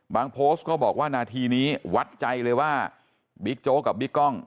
บางโพสต์ก็บอกว่านาทีนี้วัดใจเลยว่าวิกโจกับวิกล้อง